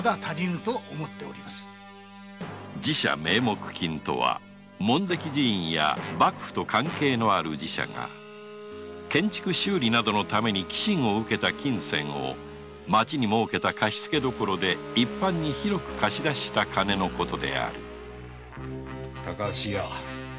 寺社名目金とは門跡寺院や幕府と関係のある寺社が建築修理などのために寄進を受けた金銭を町に設けた貸付所で一般に広く貸し出した金のことである高須屋。